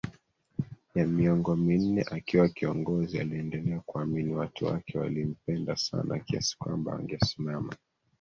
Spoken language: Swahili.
ya miongo minne akiwa kiongozi aliendelea kuamini watu wake walimpenda sana kiasi kwamba wangesimama